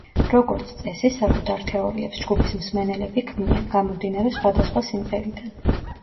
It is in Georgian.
როგორც წესი, საკუთარ თეორიებს ჯგუფის მსმენელები ქმნიან, გამომდინარე სხვადასხვა სიმღერიდან.